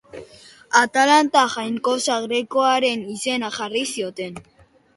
Atalanta jainkosa grekoaren izena jarri zioten.